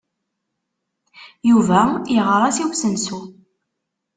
Yuba yeɣra-as i usensu.